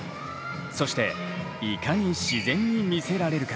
そしていかに自然に見せられるか。